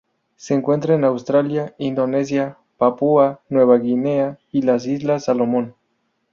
Se encuentra en Australia, Indonesia, Papúa Nueva Guinea, y las Islas Salomón.